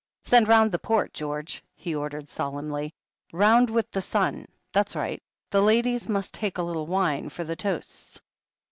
"Send round the port, George," he ordered solemnly. "Round with the sun ... that's right. The ladies must take a little wine, for the toasts."